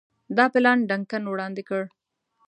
دا پلان ډنکن وړاندي کړ.